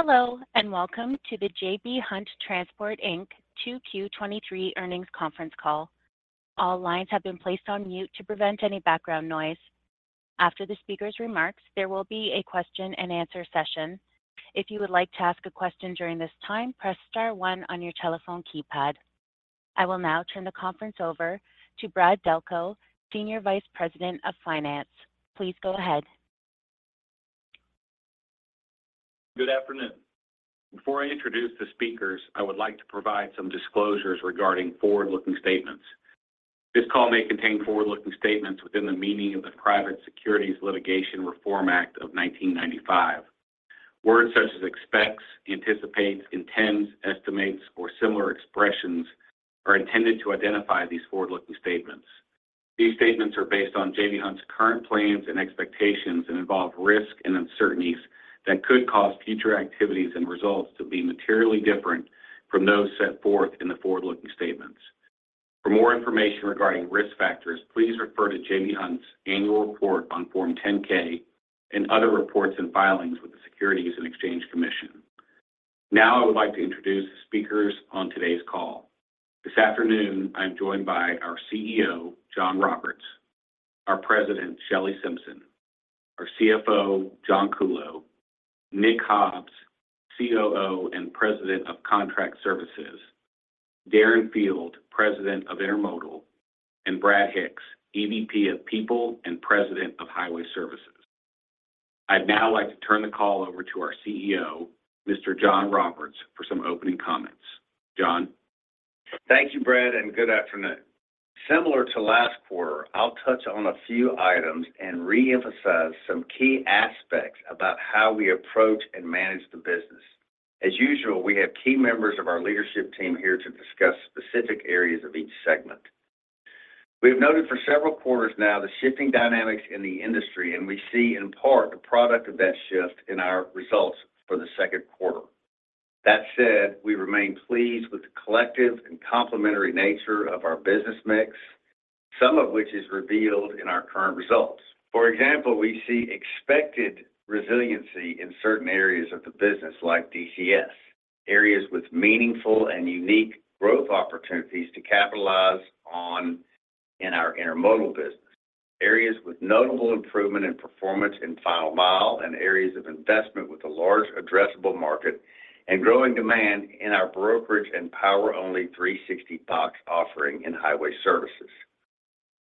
Hello, and welcome to the J.B. Hunt Transport Inc. 2 Q-2023 earnings conference call. All lines have been placed on mute to prevent any background noise. After the speaker's remarks, there will be a question-and-answer session. If you would like to ask a question during this time, press star one on your telephone keypad. I will now turn the conference over to Brad Delco, Senior Vice President of Finance. Please go ahead. Good afternoon. Before I introduce the speakers, I would like to provide some disclosures regarding forward-looking statements. This call may contain forward-looking statements within the meaning of the Private Securities Litigation Reform Act of 1995. Words such as expects, anticipates, intends, estimates, or similar expressions are intended to identify these forward-looking statements. These statements are based on J.B. Hunt's current plans and expectations and involve risk and uncertainties that could cause future activities and results to be materially different from those set forth in the forward-looking statements. For more information regarding risk factors, please refer to J.B. Hunt's annual report on Form 10-K and other reports and filings with the Securities and Exchange Commission. I would like to introduce the speakers on today's call. This afternoon, I'm joined by our CEO, John Roberts, our President, Shelley Simpson, our CFO, John Kuhlow, Nick Hobbs, COO and President of Contract Services, Darren Field, President of Intermodal, and Brad Hicks, EVP of People and President of Highway Services. I'd now like to turn the call over to our CEO, Mr. John Roberts, for some opening comments. John? Thank you, Brad, and good afternoon. Similar to last quarter, I'll touch on a few items and reemphasize some key aspects about how we approach and manage the business. As usual, we have key members of our leadership team here to discuss specific areas of each segment. We have noted for several quarters now the shifting dynamics in the industry, and we see, in part, the product of that shift in our results for the second quarter. That said, we remain pleased with the collective and complementary nature of our business mix, some of which is revealed in our current results. For example, we see expected resiliency in certain areas of the business like DCS. Areas with meaningful and unique growth opportunities to capitalize on in our Intermodal business. Areas with notable improvement in performance in final mile, and areas of investment with a large addressable market and growing demand in our brokerage and power-only J.B. Hunt 360box offering in Highway Services.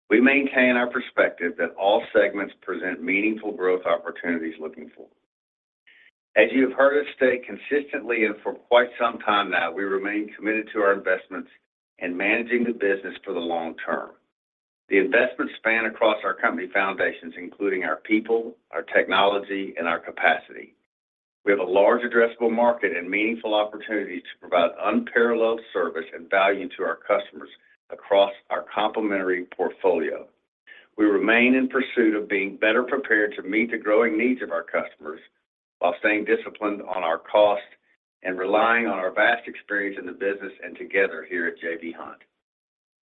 We maintain our perspective that all segments present meaningful growth opportunities looking forward. As you have heard us state consistently and for quite some time now, we remain committed to our investments in managing the business for the long term. The investments span across our company foundations, including our people, our technology, and our capacity. We have a large addressable market and meaningful opportunity to provide unparalleled service and value to our customers across our complementary portfolio. We remain in pursuit of being better prepared to meet the growing needs of our customers, while staying disciplined on our cost and relying on our vast experience in the business and together here at J.B. Hunt.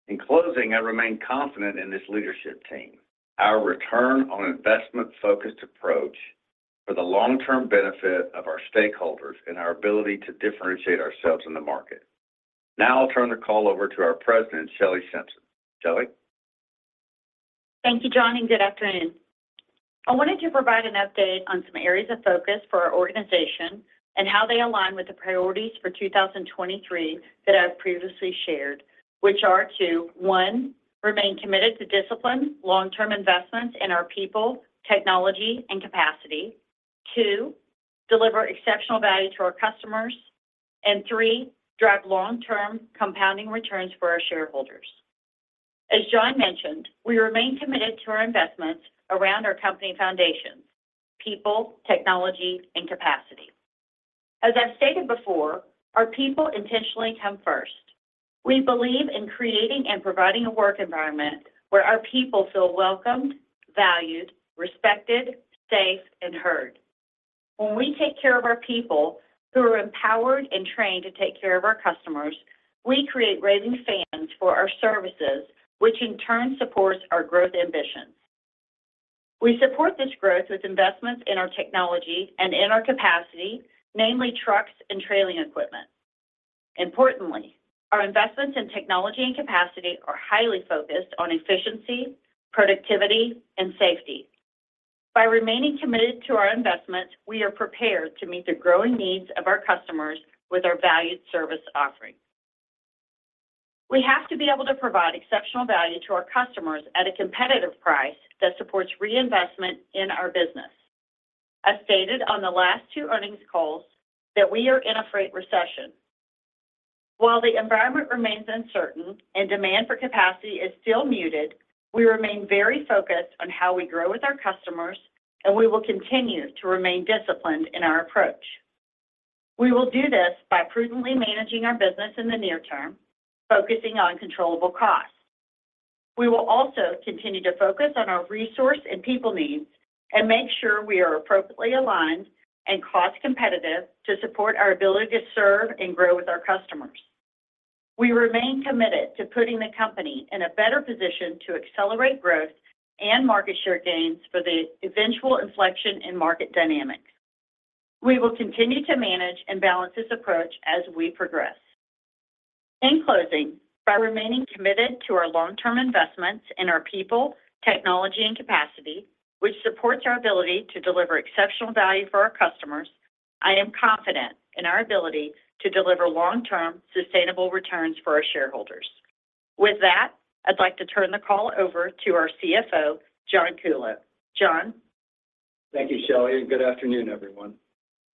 In closing, I remain confident in this leadership team. Our return on investment-focused approach for the long-term benefit of our stakeholders and our ability to differentiate ourselves in the market. I'll turn the call over to our President, Shelley Simpson. Shelley? Thank you, John. Good afternoon. I wanted to provide an update on some areas of focus for our organization and how they align with the priorities for 2023 that I've previously shared. Which are to, one, remain committed to disciplined, long-term investments in our people, technology, and capacity. Two, deliver exceptional value to our customers. And three, drive long-term compounding returns for our shareholders. As John mentioned, we remain committed to our investments around our company foundations: People, Technology, and Capacity. As I've stated before, our people intentionally come first. We believe in creating and providing a work environment where our people feel welcomed, valued, respected, safe, and heard. When we take care of our people, who are empowered and trained to take care of our customers, we create raving fans for our services, which in turn supports our growth ambitions. We support this growth with investments in our technology and in our capacity, namely trucks and trailing equipment. Importantly, our investments in technology and capacity are highly focused on efficiency, productivity, and safety. By remaining committed to our investments, we are prepared to meet the growing needs of our customers with our valued service offerings. We have to be able to provide exceptional value to our customers at a competitive price that supports reinvestment in our business. As stated on the last two Earnings Calls, that we are in a freight recession. While the environment remains uncertain and demand for capacity is still muted, we remain very focused on how we grow with our customers, and we will continue to remain disciplined in our approach. We will do this by prudently managing our business in the near term, focusing on controllable costs. We will also continue to focus on our resource and people needs and make sure we are appropriately aligned and cost-competitive to support our ability to serve and grow with our customers. We remain committed to putting the company in a better position to accelerate growth and market share gains for the eventual inflection in market dynamics. We will continue to manage and balance this approach as we progress. In closing, by remaining committed to our long-term investments in our people, technology, and capacity, which supports our ability to deliver exceptional value for our customers, I am confident in our ability to deliver long-term, sustainable returns for our shareholders. With that, I'd like to turn the call over to our CFO, John Kuhlow. John? Thank you, Shelley, and good afternoon, everyone.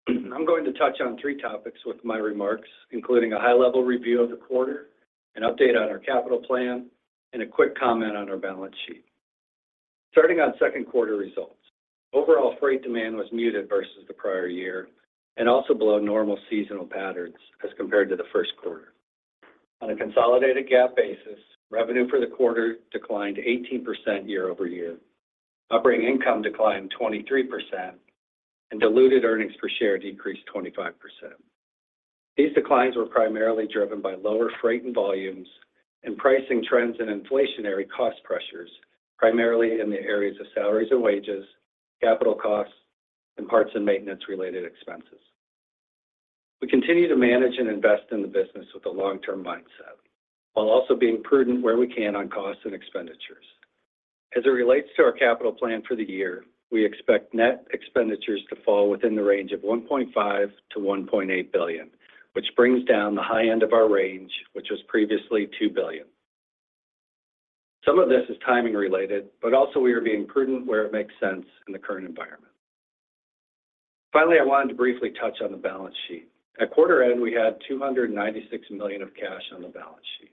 I'm going to touch on 3 topics with my remarks, including a high-level review of the quarter, an update on our capital plan, and a quick comment on our balance sheet. Starting on second quarter results, overall freight demand was muted versus the prior year and also below normal seasonal patterns as compared to the first quarter. On a consolidated GAAP basis, revenue for the quarter declined 18% year-over-year. Operating income declined 23%, and diluted earnings per share decreased 25%. These declines were primarily driven by lower freight and volumes, and pricing trends and inflationary cost pressures, primarily in the areas of salaries and wages, capital costs, and parts and maintenance-related expenses. We continue to manage and invest in the business with a long-term mindset, while also being prudent where we can on costs and expenditures. As it relates to our capital plan for the year, we expect net expenditures to fall within the range of $1.5 billion-$1.8 billion, which brings down the high end of our range, which was previously $2 billion. Some of this is timing-related, but also we are being prudent where it makes sense in the current environment. Finally, I wanted to briefly touch on the balance sheet. At quarter end, we had $296 million of cash on the balance sheet.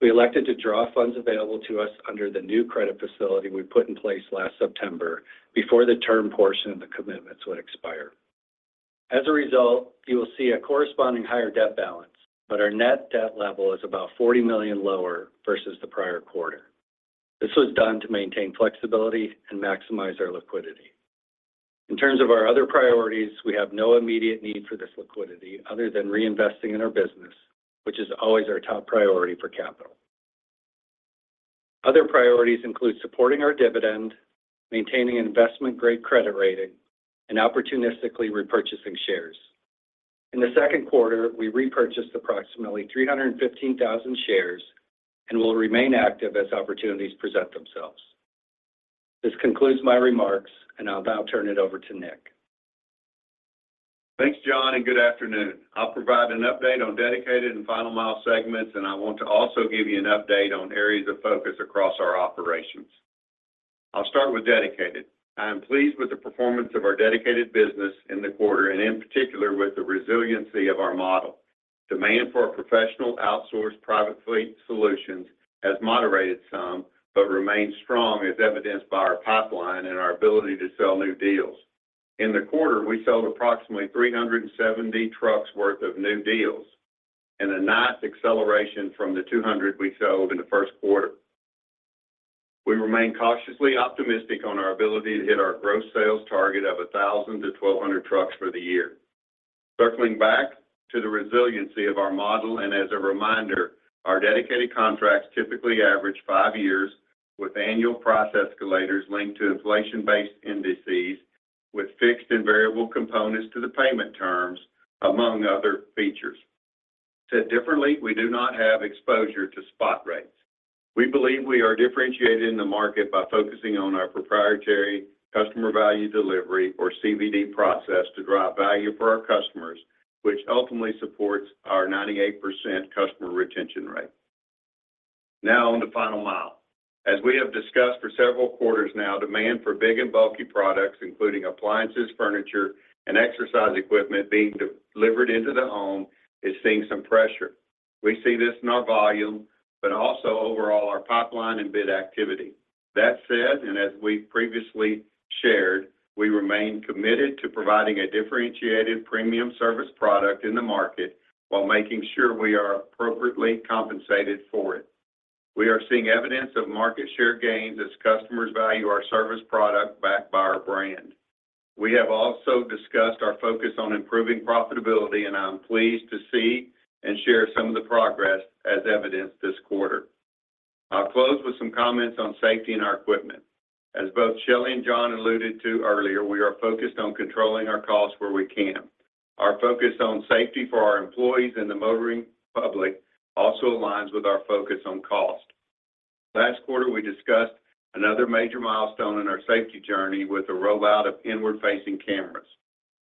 We elected to draw funds available to us under the new credit facility we put in place last September before the term portion of the commitments would expire. As a result, you will see a corresponding higher debt balance, but our net debt level is about $40 million lower versus the prior quarter. This was done to maintain flexibility and maximize our liquidity. In terms of our other priorities, we have no immediate need for this liquidity, other than reinvesting in our business, which is always our top priority for capital. Other priorities include supporting our dividend, maintaining investment-grade credit rating, and opportunistically repurchasing shares. In the second quarter, we repurchased approximately 315,000 shares and will remain active as opportunities present themselves. This concludes my remarks, and I'll now turn it over to Nick. Thanks, John. Good afternoon. I'll provide an update on Dedicated and Final Mile segments. I want to also give you an update on areas of focus across our operations. I'll start with Dedicated. I am pleased with the performance of our Dedicated business in the quarter and in particular, with the resiliency of our model. Demand for our professional outsourced private fleet solutions has moderated some but remains strong, as evidenced by our pipeline and our ability to sell new deals. In the quarter, we sold approximately 370 trucks worth of new deals in a nice acceleration from the 200 we sold in the first quarter. We remain cautiously optimistic on our ability to hit our gross sales target of 1,000-1,200 trucks for the year. Circling back to the resiliency of our model, and as a reminder, our Dedicated contracts typically average five years, with annual price escalators linked to inflation-based indices, with fixed and variable components to the payment terms, among other features. Said differently, we do not have exposure to spot rates. We believe we are differentiated in the market by focusing on our proprietary customer value delivery, or CVD process, to drive value for our customers, which ultimately supports our 98% customer retention rate. On to Final Mile. As we have discussed for several quarters now, demand for big and bulky products, including appliances, furniture, and exercise equipment being delivered into the home, is seeing some pressure. We see this in our volume, but also overall our pipeline and bid activity. That said, as we previously shared, we remain committed to providing a differentiated premium service product in the market while making sure we are appropriately compensated for it. We are seeing evidence of market share gains as customers value our service product backed by our brand. We have also discussed our focus on improving profitability, and I'm pleased to see and share some of the progress as evidenced this quarter. I'll close with some comments on safety and our equipment. As both Shelley and John alluded to earlier, we are focused on controlling our costs where we can. Our focus on safety for our employees and the motoring public also aligns with our focus on cost. Last quarter, we discussed another major milestone in our safety journey with the rollout of inward-facing cameras.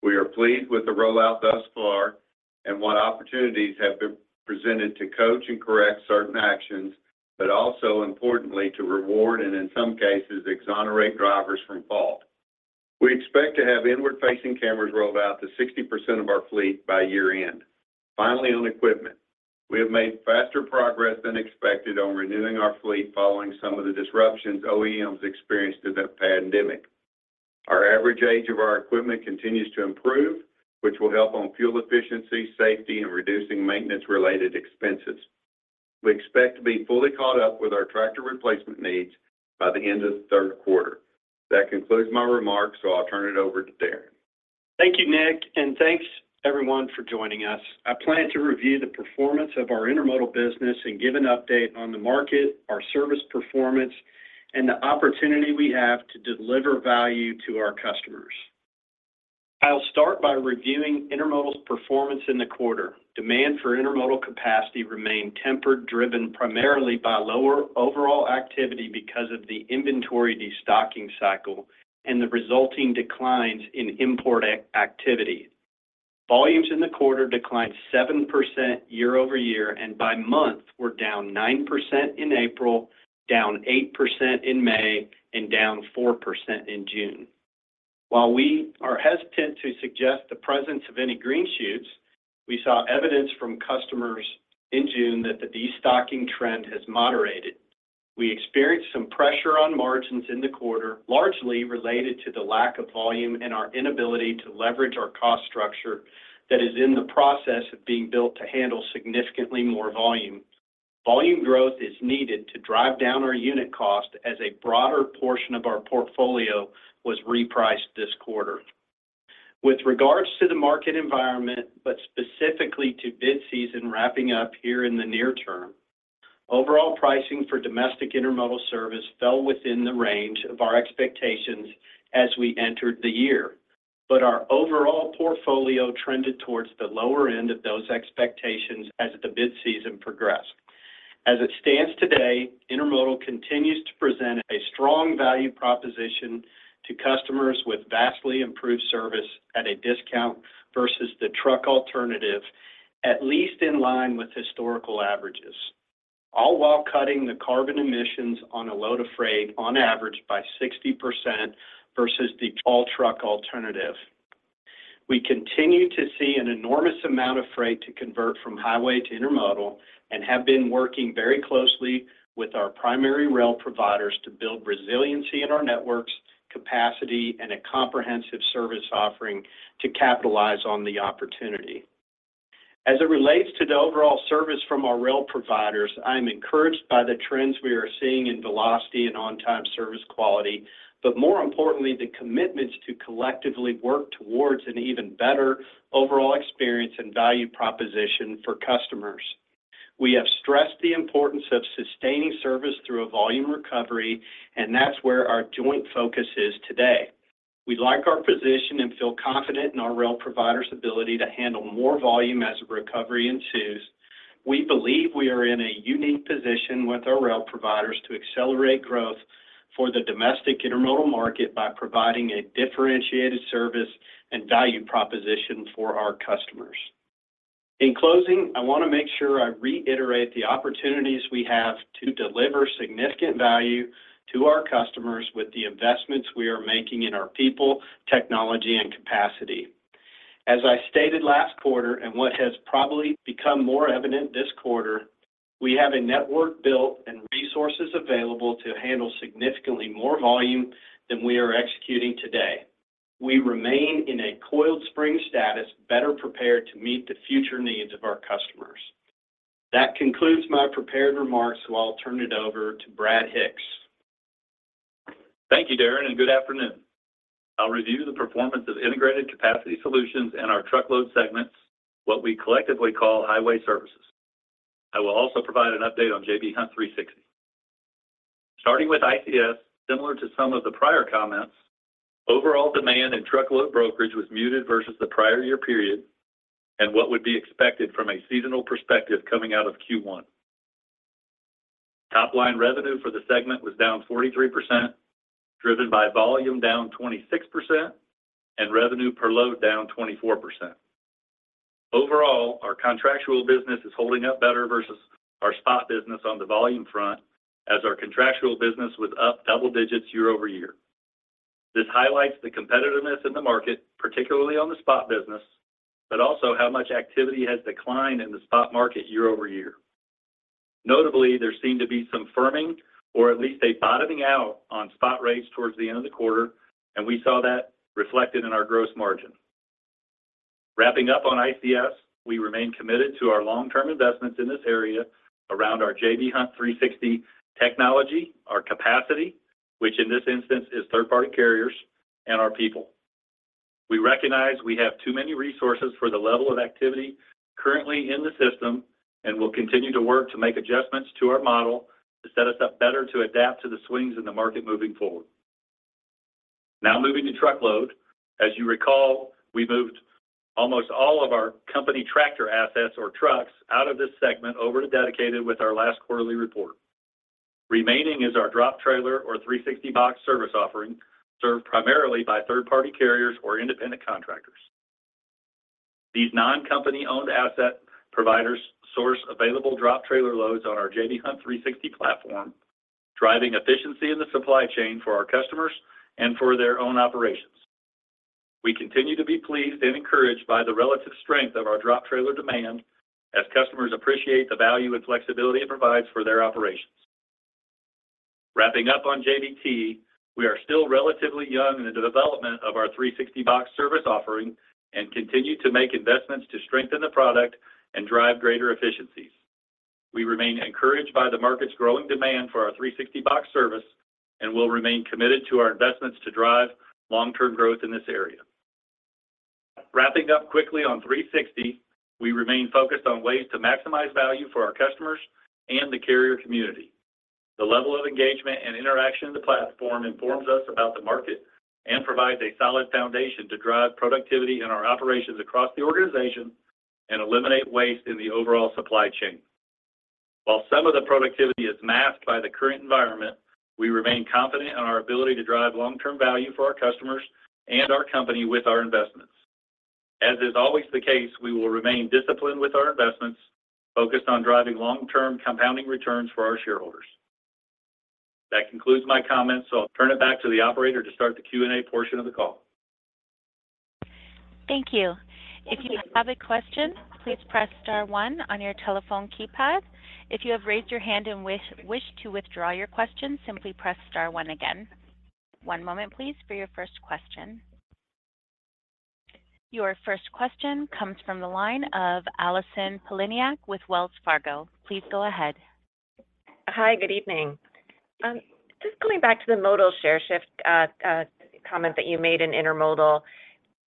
We are pleased with the rollout thus far and what opportunities have been presented to coach and correct certain actions, but also importantly, to reward and in some cases, exonerate drivers from fault. We expect to have inward-facing cameras rolled out to 60% of our fleet by year-end. On equipment. We have made faster progress than expected on renewing our fleet following some of the disruptions OEMs experienced through the pandemic. Our average age of our equipment continues to improve, which will help on fuel efficiency, safety, and reducing maintenance-related expenses. We expect to be fully caught up with our tractor replacement needs by the end of the third quarter. That concludes my remarks, so I'll turn it over to Darren. Thank you, Nick, and thanks everyone for joining us. I plan to review the performance of our Intermodal business and give an update on the market, our service performance, and the opportunity we have to deliver value to our customers. I'll start by reviewing Intermodal's performance in the quarter. Demand for Intermodal capacity remained tempered, driven primarily by lower overall activity because of the inventory destocking cycle and the resulting declines in import activity. Volumes in the quarter declined 7% year-over-year, and by month, were down 9% in April, down 8% in May, and down 4% in June. While we are hesitant to suggest the presence of any green shoots, we saw evidence from customers in June that the destocking trend has moderated. We experienced some pressure on margins in the quarter, largely related to the lack of volume and our inability to leverage our cost structure that is in the process of being built to handle significantly more volume. Volume growth is needed to drive down our unit cost as a broader portion of our portfolio was repriced this quarter. With regards to the market environment, but specifically to bid season wrapping up here in the near term, overall pricing for domestic intermodal service fell within the range of our expectations as we entered the year. Our overall portfolio trended towards the lower end of those expectations as the bid season progressed. As it stands today, intermodal continues to present a strong value proposition to customers with vastly improved service at a discount versus the truck alternative, at least in line with historical averages, all while cutting the carbon emissions on a load of freight, on average, by 60% versus the all truck alternative. We continue to see an enormous amount of freight to convert from highway to intermodal and have been working very closely with our primary rail providers to build resiliency in our networks, capacity, and a comprehensive service offering to capitalize on the opportunity. As it relates to the overall service from our rail providers, I am encouraged by the trends we are seeing in velocity and on-time service quality, more importantly, the commitments to collectively work towards an even better overall experience and value proposition for customers. We have stressed the importance of sustaining service through a volume recovery, and that's where our joint focus is today. We like our position and feel confident in our rail provider's ability to handle more volume as a recovery ensues. We believe we are in a unique position with our rail providers to accelerate growth for the domestic intermodal market by providing a differentiated service and value proposition for our customers. In closing, I want to make sure I reiterate the opportunities we have to deliver significant value to our customers with the investments we are making in our people, technology, and capacity. As I stated last quarter, and what has probably become more evident this quarter, we have a network built and resources available to handle significantly more volume than we are executing today. We remain in a coiled spring status, better prepared to meet the future needs of our customers. That concludes my prepared remarks, so I'll turn it over to Brad Hicks. Thank you, Darren. Good afternoon. I'll review the performance of Integrated Capacity Solutions in our Truckload segments, what we collectively call Highway Services. I will also provide an update on J.B. Hunt 360. Starting with ICS, similar to some of the prior comments, overall demand in truckload brokerage was muted versus the prior year period and what would be expected from a seasonal perspective coming out of Q1. Top-line revenue for the segment was down 43%, driven by volume down 26% and revenue per load down 24%. Overall, our contractual business is holding up better versus our spot business on the volume front, as our contractual business was up double digits year-over-year. This highlights the competitiveness in the market, particularly on the spot business, also how much activity has declined in the spot market year-over-year. Notably, there seemed to be some firming or at least a bottoming out on spot rates towards the end of the quarter, and we saw that reflected in our gross margin. Wrapping up on ICS, we remain committed to our long-term investments in this area around our J.B. Hunt 360 technology, our capacity, which in this instance is third-party carriers, and our people. We recognize we have too many resources for the level of activity currently in the system, and we'll continue to work to make adjustments to our model to set us up better to adapt to the swings in the market moving forward. Moving to truckload. As you recall, we moved almost all of our company tractor assets or trucks out of this segment over to Dedicated with our last quarterly report. Remaining is our drop trailer or 360box service offering, served primarily by third-party carriers or independent contractors. These non-company-owned asset providers source available drop trailer loads on our J.B. Hunt 360 platform, driving efficiency in the supply chain for our customers and for their own operations. We continue to be pleased and encouraged by the relative strength of our drop trailer demand as customers appreciate the value and flexibility it provides for their operations. Wrapping up on JBT, we are still relatively young in the development of our J.B. Hunt 360box service offering and continue to make investments to strengthen the product and drive greater efficiencies. We remain encouraged by the market's growing demand for our J.B. Hunt 360box service, we'll remain committed to our investments to drive long-term growth in this area. Wrapping up quickly on 360, we remain focused on ways to maximize value for our customers and the carrier community. The level of engagement and interaction in the platform informs us about the market and provides a solid foundation to drive productivity in our operations across the organization and eliminate waste in the overall supply chain. While some of the productivity is masked by the current environment, we remain confident in our ability to drive long-term value for our customers and our company with our investments. As is always the case, we will remain disciplined with our investments, focused on driving long-term compounding returns for our shareholders. That concludes my comments, so I'll turn it back to the operator to start the Q&A portion of the call. Thank you. If you have a question, please press star one on your telephone keypad. If you have raised your hand and wish to withdraw your question, simply press star one again. One moment, please, for your first question. Your first question comes from the line of Allison Poliniak-Cusic with Wells Fargo. Please go ahead. Hi, good evening. Just going back to the modal share shift, comment that you made in Intermodal.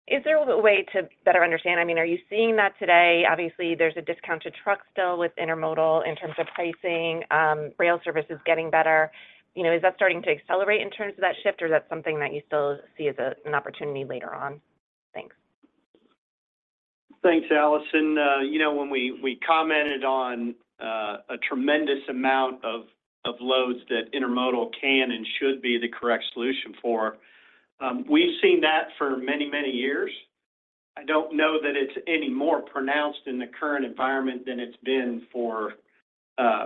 Is there a way to better understand? I mean, are you seeing that today? Obviously, there's a discount to Truck still with Intermodal in terms of pricing. Rail service is getting better. You know, is that starting to accelerate in terms of that shift, or is that something that you still see as an opportunity later on? Thanks. Thanks, Allison. You know, when we commented on a tremendous amount of loads that intermodal can and should be the correct solution for, we've seen that for many, many years. I don't know that it's any more pronounced in the current environment than it's been for the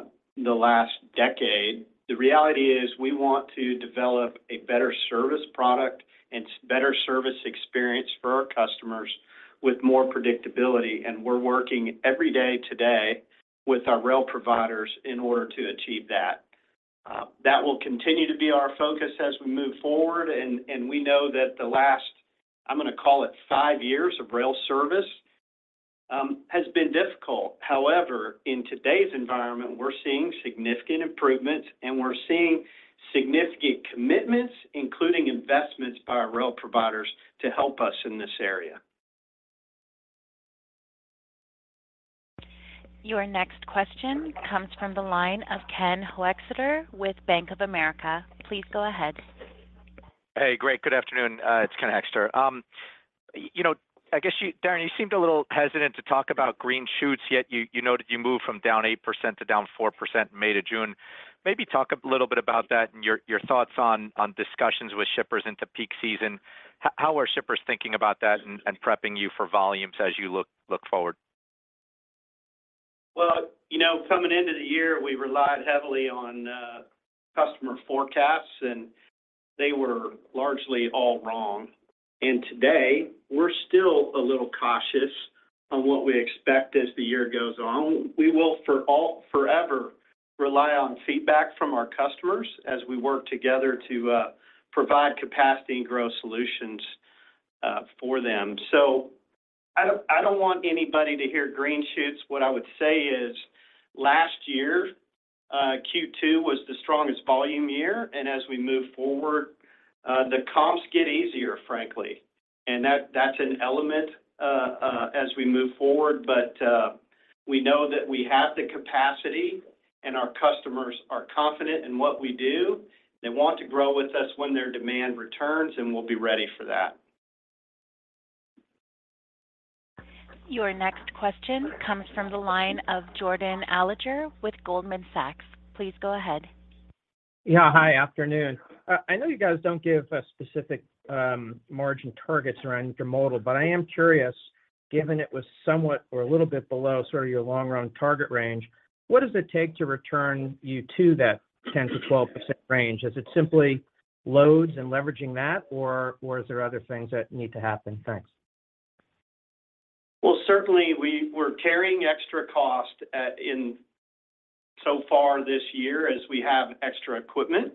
last decade. The reality is, we want to develop a better service product and better service experience for our customers with more predictability, we're working every day today with our rail providers in order to achieve that. That will continue to be our focus as we move forward, and we know that the last, I'm going to call it, five years of rail service has been difficult. However, in today's environment, we're seeing significant improvements, we're seeing significant commitments, including investments by our rail providers to help us in this area. Your next question comes from the line of Ken Hoexter with Bank of America. Please go ahead. Hey, great. Good afternoon, it's Ken Hoexter. You know, I guess you, Darren, you seemed a little hesitant to talk about green shoots, yet you noted you moved from down 8% to down 4%, May to June. Maybe talk a little bit about that and your thoughts on discussions with shippers into peak season. How are shippers thinking about that and prepping you for volumes as you look forward? Well, you know, coming into the year, we relied heavily on customer forecasts, and they were largely all wrong. Today, we're still a little cautious on what we expect as the year goes on. We will forever rely on feedback from our customers as we work together to provide capacity and grow solutions for them. I don't, I don't want anybody to hear green shoots. What I would say is, last year, Q2 was the strongest volume year, and as we move forward, the comps get easier, frankly, and that's an element as we move forward. We know that we have the capacity, and our customers are confident in what we do. They want to grow with us when their demand returns, and we'll be ready for that. Your next question comes from the line of Jordan Alliger with Goldman Sachs. Please go ahead. Yeah. Hi, afternoon. I know you guys don't give specific margin targets around intermodal, but I am curious, given it was somewhat or a little bit below sort of your long-run target range, what does it take to return you to that 10%-12% range? Is it simply loads and leveraging that, or is there other things that need to happen? Thanks. Well, certainly we're carrying extra cost so far this year as we have extra equipment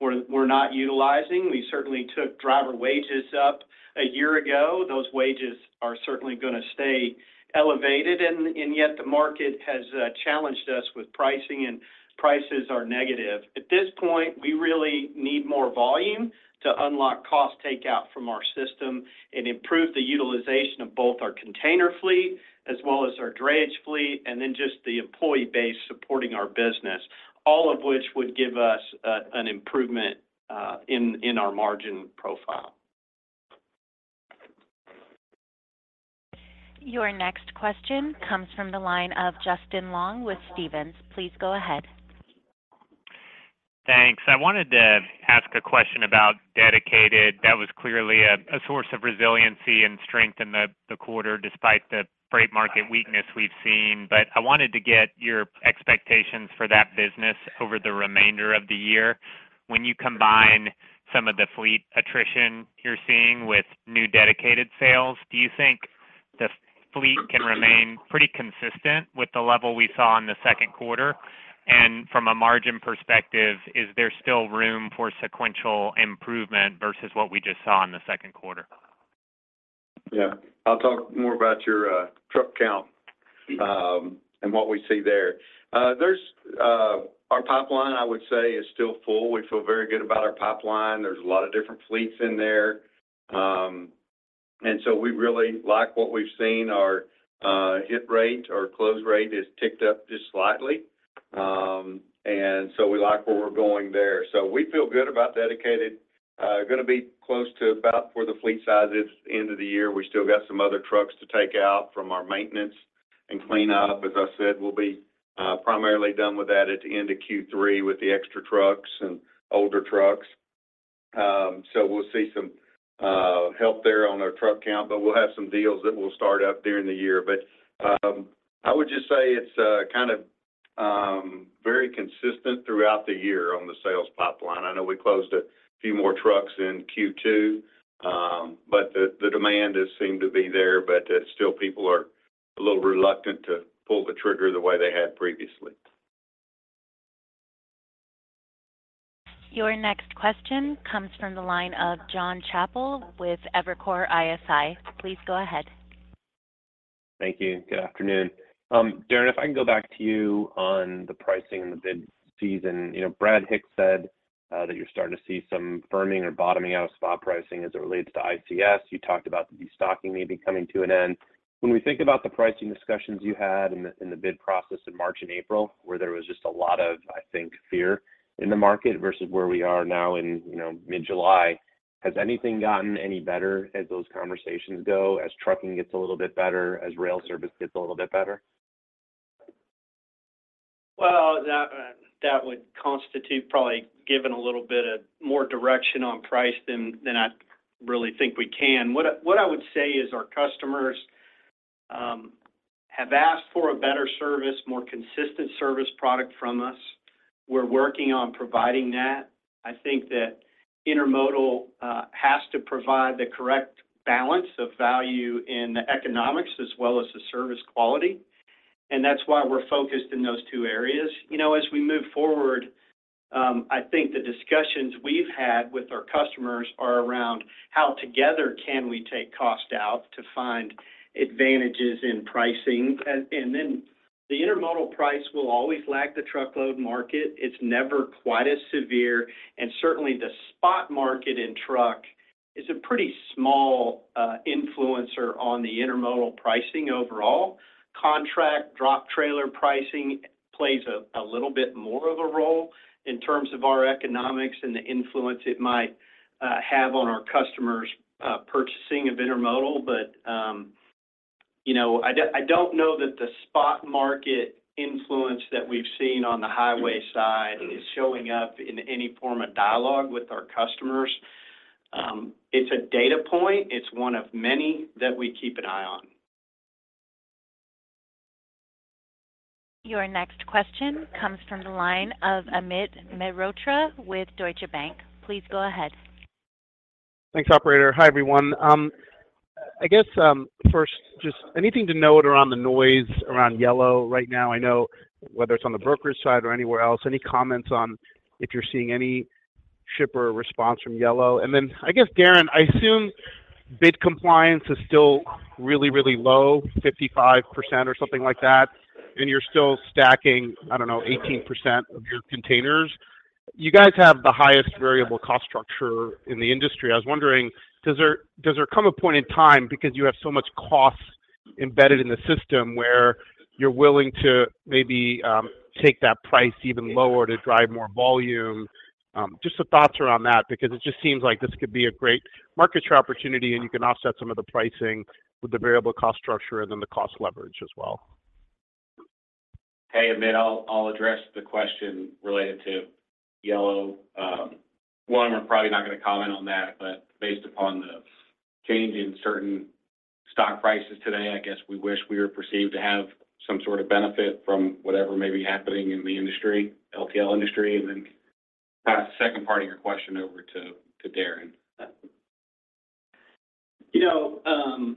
we're not utilizing. We certainly took driver wages up a year ago. Those wages are certainly going to stay elevated, and yet the market has challenged us with pricing, and prices are negative. At this point, we really need more volume to unlock cost takeout from our system and improve the utilization of both our container fleet as well as our drayage fleet, and then just the employee base supporting our business, all of which would give us an improvement in our margin profile. Your next question comes from the line of Justin Long with Stephens. Please go ahead. Thanks. I wanted to ask a question about Dedicated. That was clearly a source of resiliency and strength in the quarter, despite the freight market weakness we've seen. I wanted to get your expectations for that business over the remainder of the year. When you combine some of the fleet attrition you're seeing with new Dedicated sales, do you think... the fleet can remain pretty consistent with the level we saw in the second quarter? From a margin perspective, is there still room for sequential improvement versus what we just saw in the second quarter? Yeah. I'll talk more about your truck count and what we see there. There's our pipeline, I would say, is still full. We feel very good about our pipeline. There's a lot of different fleets in there. We really like what we've seen. Our hit rate, our close rate has ticked up just slightly. We like where we're going there. We feel good about dedicated. Going to be close to about where the fleet size is end of the year. We still got some other trucks to take out from our maintenance and clean up. As I said, we'll be primarily done with that at the end of Q3 with the extra trucks and older trucks. We'll see some help there on our truck count, but we'll have some deals that will start up during the year. I would just say it's kind of very consistent throughout the year on the sales pipeline. I know we closed a few more trucks in Q2, but the demand does seem to be there, but still, people are a little reluctant to pull the trigger the way they had previously. Your next question comes from the line of Jonathan Chappell with Evercore ISI. Please go ahead. Thank you. Good afternoon. Darren, if I can go back to you on the pricing and the bid season. You know, Brad Hicks said that you're starting to see some firming or bottoming out of spot pricing as it relates to ICS. You talked about the destocking maybe coming to an end. When we think about the pricing discussions you had in the, in the bid process in March and April, where there was just a lot of, I think, fear in the market versus where we are now in, you know, mid-July, has anything gotten any better as those conversations go, as trucking gets a little bit better, as rail service gets a little bit better? Well, that would constitute probably giving a little bit of more direction on price than I really think we can. What I would say is our customers have asked for a better service, more consistent service product from us. We're working on providing that. I think that intermodal has to provide the correct balance of value in the economics as well as the service quality, and that's why we're focused in those two areas. You know, as we move forward, I think the discussions we've had with our customers are around how together can we take cost out to find advantages in pricing. The intermodal price will always lag the truckload market. It's never quite as severe, and certainly the spot market in truck is a pretty small influencer on the intermodal pricing overall. Contract drop trailer pricing plays a little bit more of a role in terms of our economics and the influence it might have on our customers' purchasing of intermodal. you know, I don't know that the spot market influence that we've seen on the highway side is showing up in any form of dialogue with our customers. It's a data point. It's one of many that we keep an eye on. Your next question comes from the line of Amit Mehrotra with Deutsche Bank. Please go ahead. Thanks, operator. Hi, everyone. I guess, first, just anything to note around the noise around Yellow Corporation right now? I know whether it's on the brokerage side or anywhere else, any comments on if you're seeing any shipper response from Yellow Corporation? I guess, Darren, I assume bid compliance is still really, really low, 55% or something like that, and you're still stacking, I don't know, 18% of your containers. You guys have the highest variable cost structure in the industry. I was wondering, does there come a point in time, because you have so much cost embedded in the system, where you're willing to maybe take that price even lower to drive more volume? Just some thoughts around that, because it just seems like this could be a great market share opportunity, and you can offset some of the pricing with the variable cost structure and then the cost leverage as well. Hey, Amit, I'll address the question related to Yellow. One, we're probably not going to comment on that, but based upon the change in certain stock prices today, I guess we wish we were perceived to have some sort of benefit from whatever may be happening in the industry, LTL industry, and then pass the second part of your question over to Darren. You know,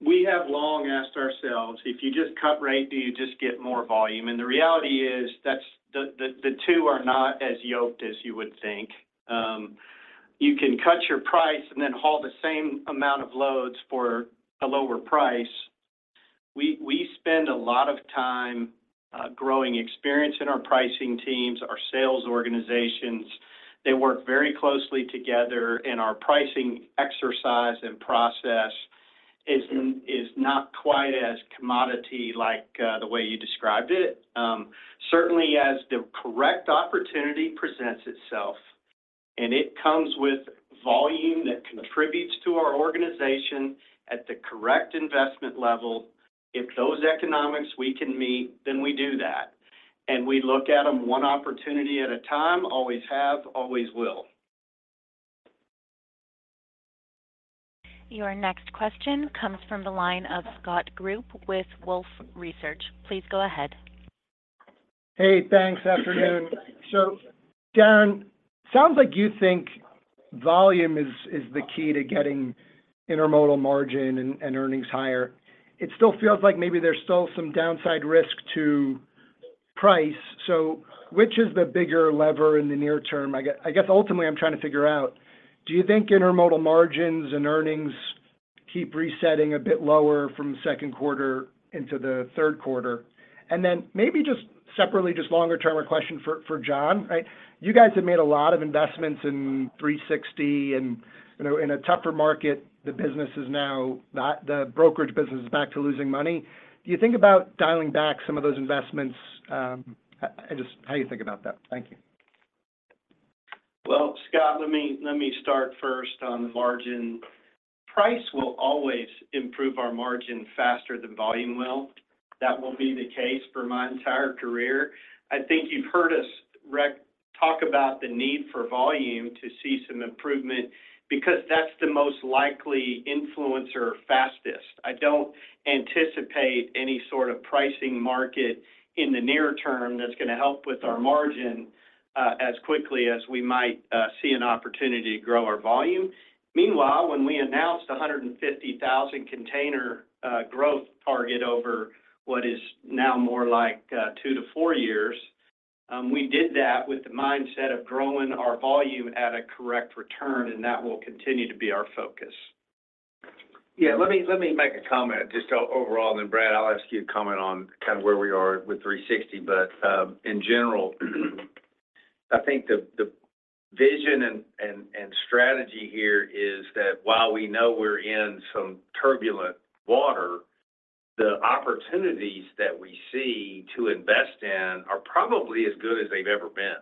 we have long asked ourselves, "If you just cut rate, do you just get more volume?" The reality is, the two are not as yoked as you would think. You can cut your price and then haul the same amount of loads for a lower price. We spend a lot of time growing experience in our pricing teams, our sales organizations. They work very closely together, and our pricing exercise and process is not quite as commodity like the way you described it. Certainly, as the correct opportunity presents itself, and it comes with volume that contributes to our organization at the correct investment level, if those economics we can meet, then we do that, and we look at them one opportunity at a time. Always have, always will. Your next question comes from the line of Scott Group with Wolfe Research. Please go ahead. Hey, thanks. Afternoon. Darren, sounds like you think volume is the key to getting intermodal margin and earnings higher. It still feels like maybe there's still some downside risk to price. Which is the bigger lever in the near term? I guess ultimately, I'm trying to figure out, do you think intermodal margins and earnings keep resetting a bit lower from the second quarter into the third quarter? Maybe just separately, just longer-term question for John, right? You guys have made a lot of investments in 360, and, you know, in a tougher market, the brokerage business is back to losing money. Do you think about dialing back some of those investments? And just how you think about that. Thank you. Well, Scott, let me start first on the margin. Price will always improve our margin faster than volume will. That will be the case for my entire career. I think you've heard us talk about the need for volume to see some improvement, because that's the most likely influencer fastest. I don't anticipate any sort of pricing market in the near term that's going to help with our margin, as quickly as we might see an opportunity to grow our volume. Meanwhile, when we announced a 150,000 container growth target over what is now more like two to four years, we did that with the mindset of growing our volume at a correct return, and that will continue to be our focus. Yeah, let me make a comment just overall, then Brad, I'll ask you to comment on kind of where we are with J.B. Hunt 360. In general, I think the vision and strategy here is that while we know we're in some turbulent water, the opportunities that we see to invest in are probably as good as they've ever been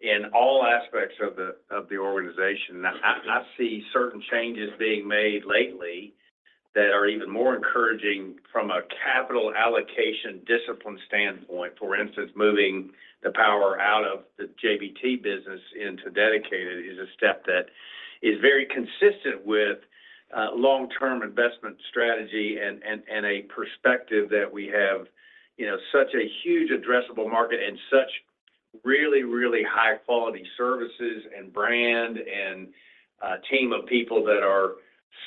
in all aspects of the organization. Now, I see certain changes being made lately that are even more encouraging from a capital allocation discipline standpoint. For instance, moving the power out of the JBT business into Dedicated is a step that is very consistent with long-term investment strategy and a perspective that we have, you know, such a huge addressable market and such really high-quality services and brand and team of people that are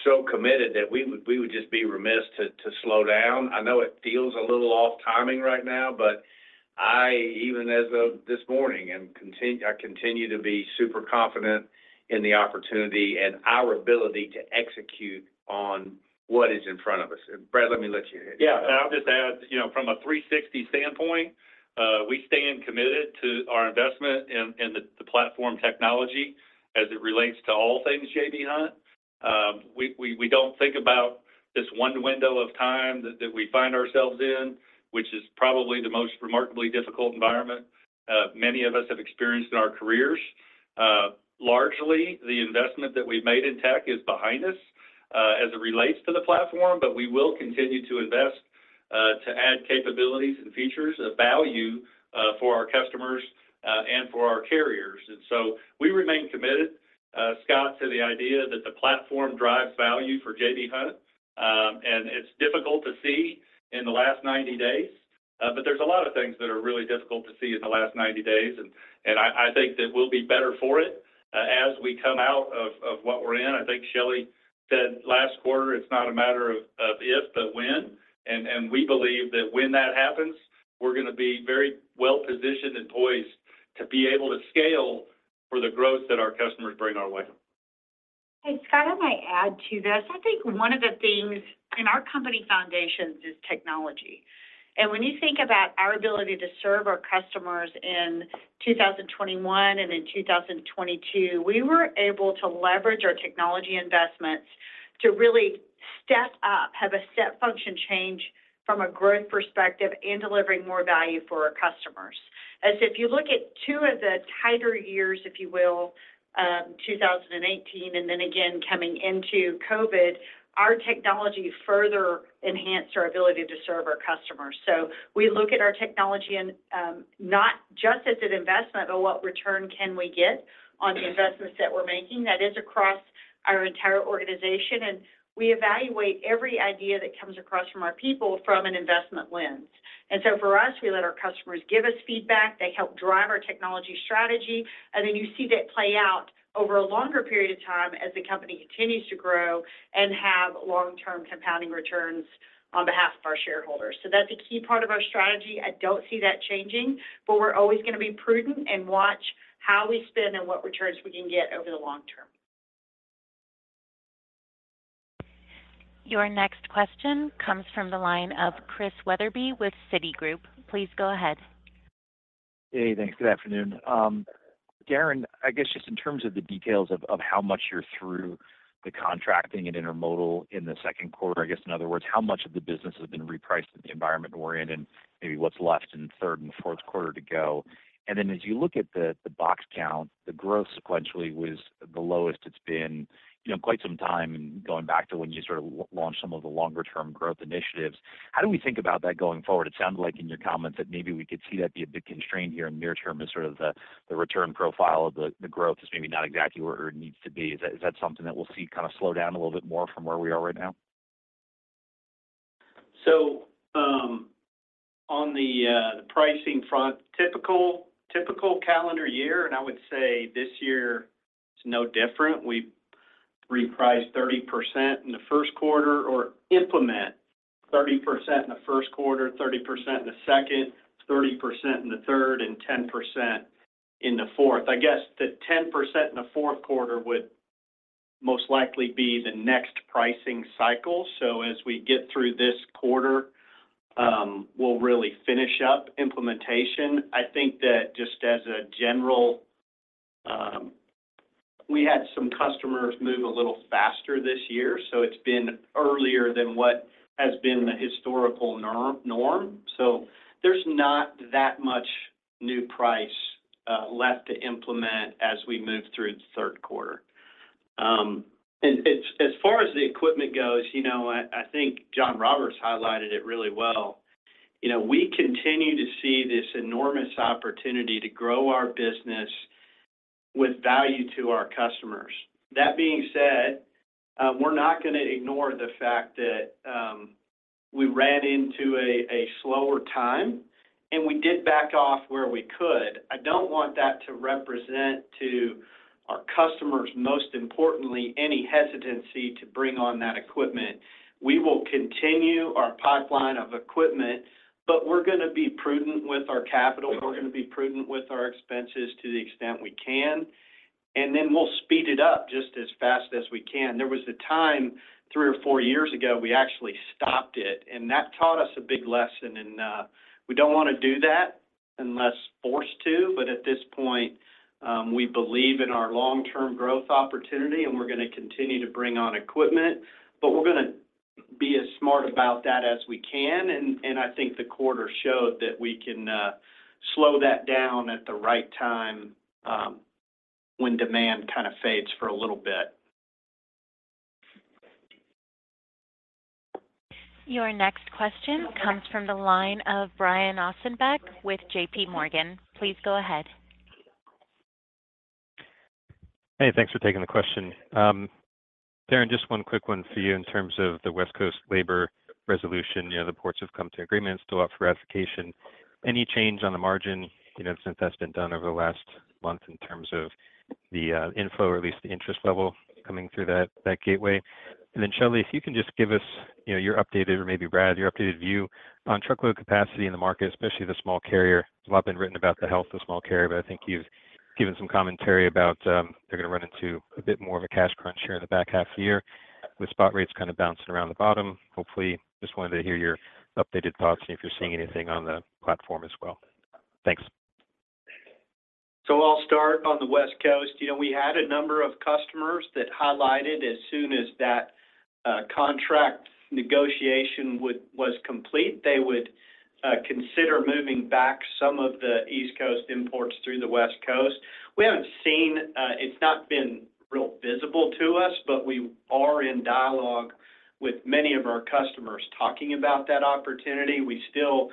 so committed that we would just be remiss to slow down. I know it feels a little off timing right now, but I, even as of this morning, I continue to be super confident in the opportunity and our ability to execute on what is in front of us. Brad, let me let you hit. Yeah, I'll just add, you know, from a 360 standpoint, we stand committed to our investment in the platform technology as it relates to all things J.B. Hunt. We don't think about this one window of time that we find ourselves in, which is probably the most remarkably difficult environment many of us have experienced in our careers. Largely, the investment that we've made in tech is behind us, as it relates to the platform, but we will continue to invest to add capabilities and features of value for our customers and for our carriers. We remain committed, Scott, to the idea that the platform drives value for J.B. Hunt. It's difficult to see in the last 90 days, but there's a lot of things that are really difficult to see in the last 90 days, I think that we'll be better for it as we come out of what we're in. I think Shelley said last quarter, it's not a matter of if, but when. We believe that when that happens, we're going to be very well positioned and poised to be able to scale for the growth that our customers bring our way. Hey, Scott, I might add to this. I think one of the things in our company foundations is technology. When you think about our ability to serve our customers in 2021 and in 2022, we were able to leverage our technology investments to really step up, have a step function change from a growth perspective and delivering more value for our customers. As if you look at two of the tighter years, if you will, 2018, and then again, coming into COVID, our technology further enhanced our ability to serve our customers. We look at our technology and, not just as an investment, but what return can we get on the investments that we're making. That is across our entire organization, and we evaluate every idea that comes across from our people from an investment lens. For us, we let our customers give us feedback. They help drive our technology strategy, and then you see that play out over a longer period of time as the company continues to grow and have long-term compounding returns on behalf of our shareholders. That's a key part of our strategy. I don't see that changing, but we're always going to be prudent and watch how we spend and what returns we can get over the long term. Your next question comes from the line of Christian Wetherbee with Citigroup. Please go ahead. Hey, thanks. Good afternoon. Darren, I guess just in terms of the details of how much you're through the contracting and intermodal in the second quarter, I guess, in other words, how much of the business has been repriced in the environment we're in, and maybe what's left in the third and fourth quarter to go? As you look at the box count, the growth sequentially was the lowest it's been, you know, quite some time, and going back to when you sort of launched some of the longer term growth initiatives. How do we think about that going forward? It sounds like in your comments that maybe we could see that be a big constraint here in the near term as sort of the return profile of the growth is maybe not exactly where it needs to be. Is that something that we'll see kind of slow down a little bit more from where we are right now? On the pricing front, typical calendar year, and I would say this year is no different. We've repriced 30% in the first quarter, or implement 30% in the first quarter, 30% in the second, 30% in the third, and 10% in the fourth. I guess the 10% in the fourth quarter would most likely be the next pricing cycle. As we get through this quarter, we'll really finish up implementation. I think that just as a general, we had some customers move a little faster this year, so it's been earlier than what has been the historical norm. There's not that much new price left to implement as we move through the third quarter. As far as the equipment goes, you know, I think John Roberts highlighted it really well. You know, we continue to see this enormous opportunity to grow our business with value to our customers. That being said, we're not going to ignore the fact that we ran into a slower time, and we did back off where we could. I don't want that to represent to our customers, most importantly, any hesitancy to bring on that equipment. We will continue our pipeline of equipment, but we're going to be prudent with our capital. We're going to be prudent with our expenses to the extent we can. Then we'll speed it up just as fast as we can. There was a time, three or four years ago, we actually stopped it, and that taught us a big lesson, and we don't want to do that unless forced to. At this point, we believe in our long-term growth opportunity, and we're going to continue to bring on equipment, but we're going to be as smart about that as we can. I think the quarter showed that we can slow that down at the right time, when demand kind of fades for a little bit. Your next question comes from the line of Brian Ossenbeck with JPMorgan. Please go ahead. Hey, thanks for taking the question. Darren, just one quick one for you in terms of the West Coast labor resolution. You know, the ports have come to agreements, still up for ratification. Any change on the margin, you know, since that's been done over the last month in terms of the info or at least the interest level coming through that gateway? Shelley, if you can just give us, you know, your updated, or maybe Brad, your updated view on truckload capacity in the market, especially the small carrier. There's a lot been written about the health of small carrier, but I think you've given some commentary about, they're going to run into a bit more of a cash crunch here in the back half of the year, with spot rates kind of bouncing around the bottom. Hopefully, just wanted to hear your updated thoughts and if you're seeing anything on the platform as well. Thanks. I'll start on the West Coast. You know, we had a number of customers that highlighted as soon as that contract negotiation was complete, they would consider moving back some of the East Coast imports through the West Coast. We haven't seen, it's not been real visible to us, but we are in dialogue with many of our customers talking about that opportunity. We still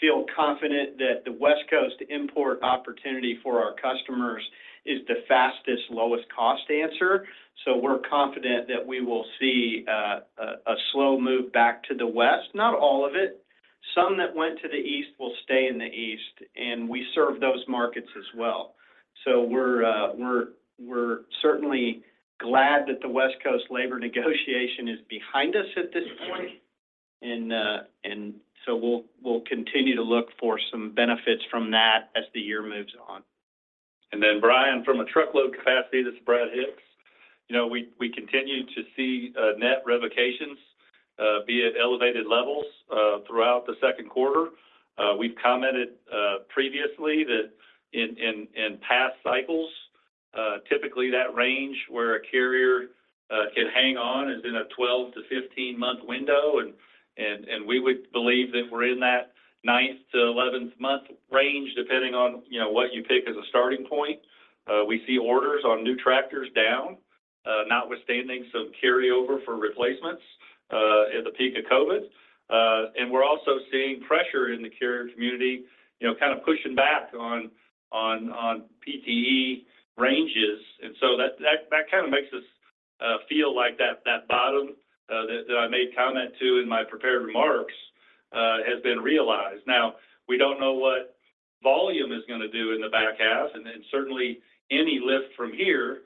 feel confident that the West Coast import opportunity for our customers is the fastest, lowest cost answer. We're confident that we will see a slow move back to the West. Not all of it. Some that went to the East will stay in the East, and we serve those markets as well. We're certainly glad that the West Coast labor negotiation is behind us at this point. We'll continue to look for some benefits from that as the year moves on. Brian, from a truckload capacity, this is Brad Hicks. You know, we continue to see net revocations be at elevated levels throughout the second quarter. We've commented previously that in past cycles, typically that range where a carrier can hang on is in a 12-15 month window. We would believe that we're in that ninth to 11th month range, depending on, you know, what you pick as a starting point. We see orders on new tractors down, notwithstanding some carryover for replacements at the peak of COVID. We're also seeing pressure in the carrier community, you know, kind of pushing back on PTE ranges. That kind of makes us feel like that bottom, that I made comment to in my prepared remarks, has been realized. We don't know what volume is going to do in the back half, and then certainly any lift from here,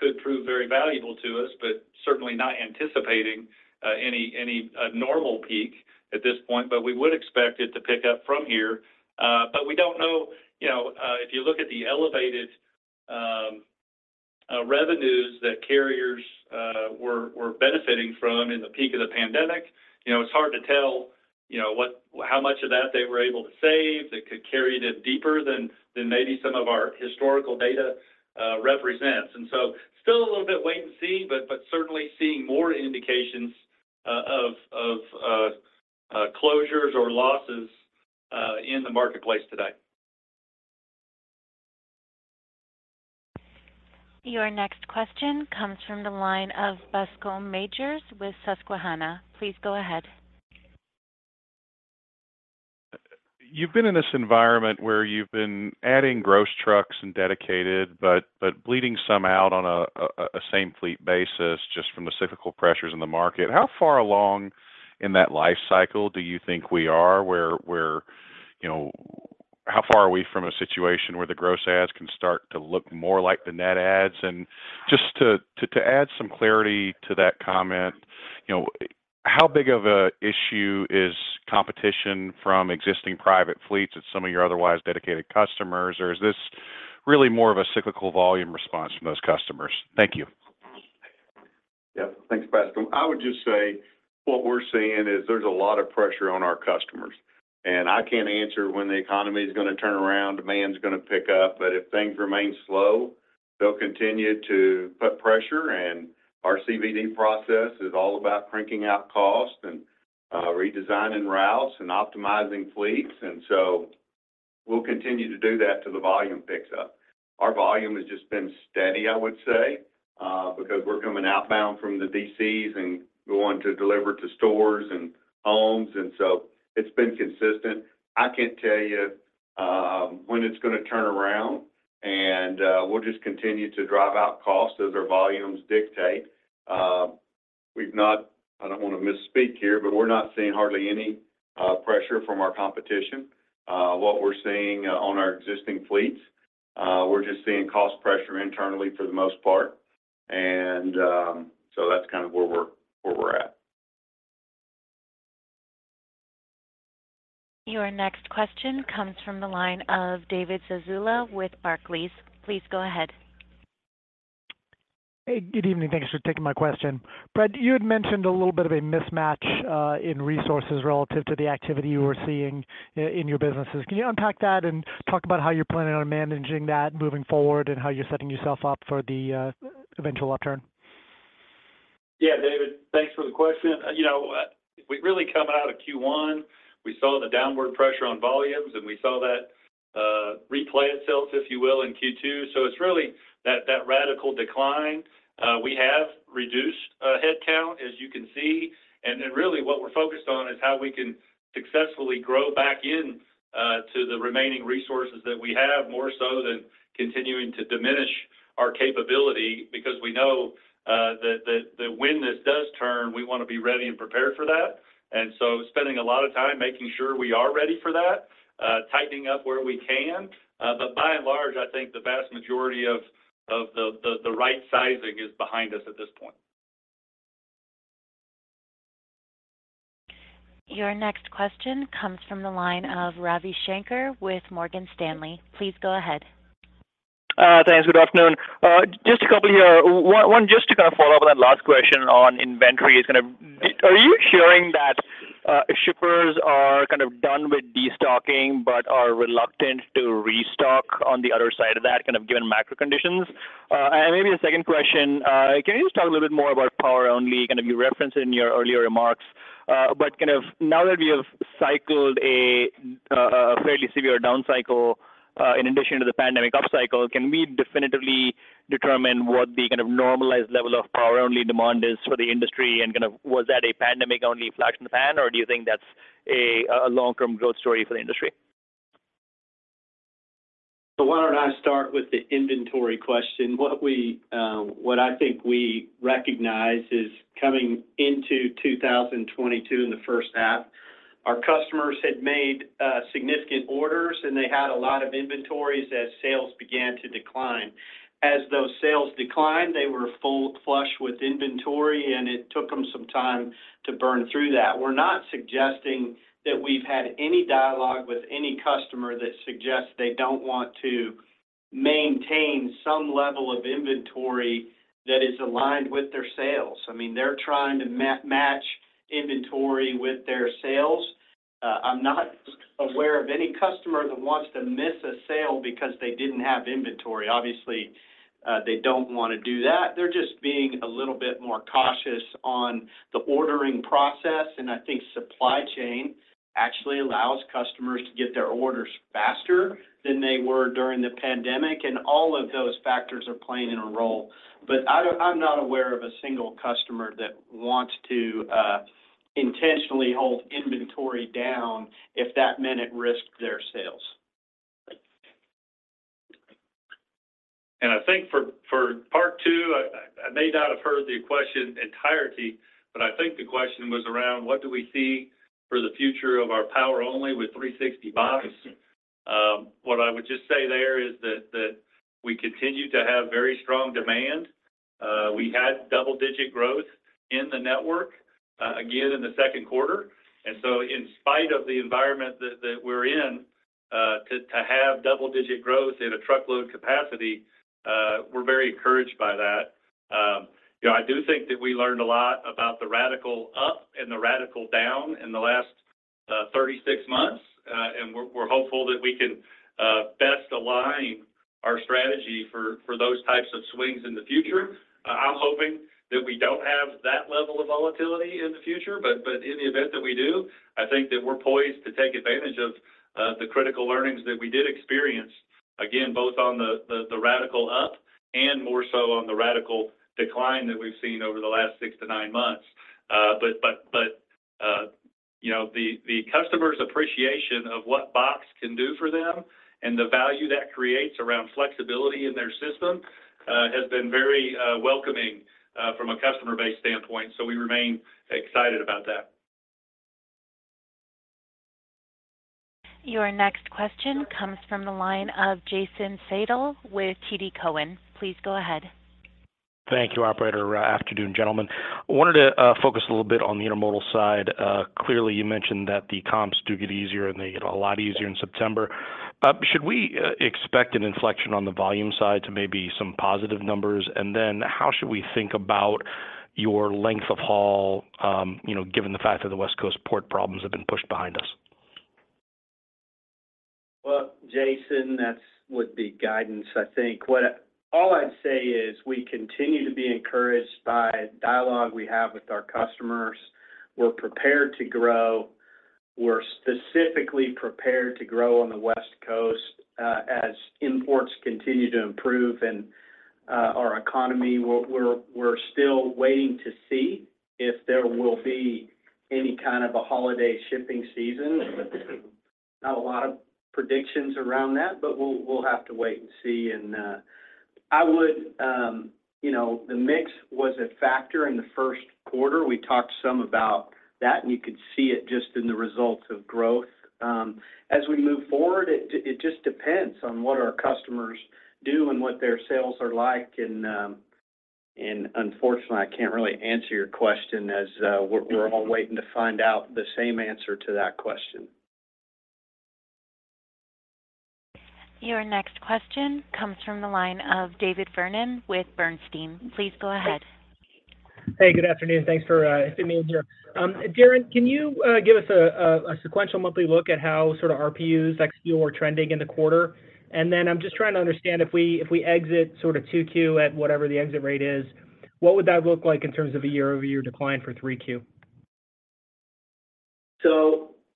could prove very valuable to us, but certainly not anticipating any normal peak at this point. We would expect it to pick up from here, but we don't know... You know, if you look at the elevated revenues that carriers, were benefiting from in the peak of the pandemic, you know, it's hard to tell, you know, how much of that they were able to save, that could carry it deeper than maybe some of our historical data, represents. Still a little bit wait and see, but certainly seeing more indications of closures or losses in the marketplace today. Your next question comes from the line of Bascome Majors with Susquehanna. Please go ahead. You've been in this environment where you've been adding gross trucks and dedicated, but bleeding some out on a same fleet basis just from the cyclical pressures in the market. How far along in that life cycle do you think we are, where, you know, how far are we from a situation where the gross adds can start to look more like the net adds? Just to add some clarity to that comment, you know, how big of a issue is competition from existing private fleets at some of your otherwise dedicated customers? Is this really more of a cyclical volume response from those customers? Thank you. Yep. Thanks, Bascome. I would just say what we're seeing is there's a lot of pressure on our customers. I can't answer when the economy is going to turn around, demand is going to pick up. If things remain slow, they'll continue to put pressure. Our CVD process is all about cranking out cost, redesigning routes and optimizing fleets. We'll continue to do that till the volume picks up. Our volume has just been steady, I would say, because we're coming outbound from the DCs and going to deliver to stores and homes. It's been consistent. I can't tell you when it's going to turn around. We'll just continue to drive out costs as our volumes dictate. We've not, I don't want to misspeak here, we're not seeing hardly any pressure from our competition. What we're seeing on our existing fleets, we're just seeing cost pressure internally for the most part, and so that's kind of where we're at. Your next question comes from the line of David Zazula with Barclays. Please go ahead. Hey, good evening. Thanks for taking my question. Brad, you had mentioned a little bit of a mismatch, in resources relative to the activity you were seeing, in your businesses. Can you unpack that and talk about how you're planning on managing that moving forward, and how you're setting yourself up for the eventual upturn? Yeah, David, thanks for the question. You know, we really coming out of Q1, we saw the downward pressure on volumes, and we saw that replay itself, if you will, in Q2. It's really that radical decline. We have reduced headcount, as you can see. Then really what we're focused on is how we can successfully grow back in to the remaining resources that we have, more so than continuing to diminish our capability, because we know that when this does turn, we want to be ready and prepared for that. So spending a lot of time making sure we are ready for that, tightening up where we can. By and large, I think the vast majority of the right sizing is behind us at this point. Your next question comes from the line of Ravi Shanker with Morgan Stanley. Please go ahead. Thanks. Good afternoon. Just a couple here. One, just to follow up on that last question on inventory is kind of, are you sharing that shippers are kind of done with destocking but are reluctant to restock on the other side of that, kind of given macro conditions? Maybe a second question, can you just talk a little bit more about power-only? Kind of, you referenced in your earlier remarks, but kind of now that we have cycled a fairly severe down cycle, in addition to the pandemic upcycle, can we definitively determine what the kind of normalized level of power-only demand is for the industry, and kind of was that a pandemic-only flash in the pan, or do you think that's a long-term growth story for the industry? Why don't I start with the inventory question? What we, what I think we recognize is coming into 2022, in the 1st half, our customers had made significant orders, and they had a lot of inventories as sales began to decline. Those sales declined, they were full flush with inventory, and it took them some time to burn through that. We're not suggesting that we've had any dialogue with any customer that suggests they don't want to maintain some level of inventory that is aligned with their sales. I mean, they're trying to match inventory with their sales. I'm not aware of any customer that wants to miss a sale because they didn't have inventory. Obviously, they don't want to do that. They're just being a little bit more cautious on the ordering process. I think supply chain actually allows customers to get their orders faster than they were during the pandemic, and all of those factors are playing in a role. I'm not aware of a single customer that wants to intentionally hold inventory down if that meant it risked their sales. I think for part two, I may not have heard the question entirety, but I think the question was around: what do we see for the future of our power-only with J.B. Hunt 360box? What I would just say there is that we continue to have very strong demand. We had double-digit growth in the network again in the second quarter. In spite of the environment that we're in, to have double-digit growth in a truckload capacity, we're very encouraged by that. You know, I do think that we learned a lot about the radical up and the radical down in the last 36 months, and we're hopeful that we can best align our strategy for those types of swings in the future. I'm hoping that we don't have that level of volatility in the future, but in the event that we do, I think that we're poised to take advantage of it the critical learnings that we did experience, again, both on the radical up and more so on the radical decline that we've seen over the last six to nine months. You know, the customer's appreciation of what box can do for them and the value that creates around flexibility in their system, has been very welcoming from a customer base standpoint. We remain excited about that. Your next question comes from the line of Jason Seidl with TD Cowen. Please go ahead. Thank you, operator. Afternoon, gentlemen. I wanted to focus a little bit on the intermodal side. Clearly, you mentioned that the comps do get easier, and they get a lot easier in September. Should we expect an inflection on the volume side to maybe some positive numbers? How should we think about your length of haul, you know, given the fact that the West Coast port problems have been pushed behind us? Well, Jason, that would be guidance. I think all I'd say is we continue to be encouraged by dialogue we have with our customers. We're prepared to grow. We're specifically prepared to grow on the West Coast, as imports continue to improve and our economy, we're still waiting to see if there will be any kind of a holiday shipping season. There's not a lot of predictions around that, but we'll have to wait and see. I would, you know, the mix was a factor in the first quarter. We talked some about that, and you could see it just in the results of growth. As we move forward, it just depends on what our customers do and what their sales are like. Unfortunately, I can't really answer your question as we're all waiting to find out the same answer to that question. Your next question comes from the line of David Vernon with Bernstein. Please go ahead. Hey, good afternoon. Thanks for getting me in here. Darren, can you give us a sequential monthly look at how sort of RPU ex-fuel are trending in the quarter? I'm just trying to understand if we, if we exit sort of 2Q at whatever the exit rate is, what would that look like in terms of a year-over-year decline for 3Q?